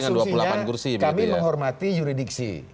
sekali lagi asumsinya kami menghormati yuridiksi